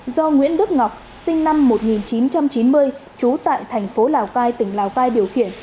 do nguyễn đức ngọc sinh năm một nghìn chín trăm chín mươi trú tại thành phố lào cai tỉnh lào cai điều khiển